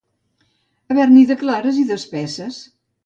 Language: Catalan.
Haver-n'hi de clares i d'espesses.